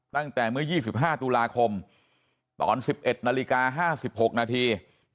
ตั้งแต่เมื่อ๒๕ตุลาคมตอน๑๑นาฬิกา๕๖นาที